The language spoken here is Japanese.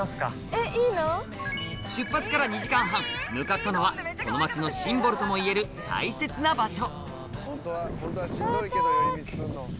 出発から２時間半向かったのはこの町のシンボルとも言える大切な場所